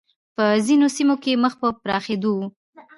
په ځینو سیمو کې مخ په پراخېدو و